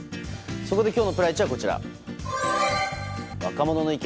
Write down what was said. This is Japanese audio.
そこで今日のプライチは若者の意見